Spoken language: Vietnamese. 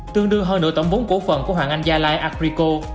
tương đương hơn nửa tổng bốn cổ phần của hoàng anh gia lai agrico